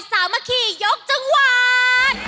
สามัคคียกจังหวัด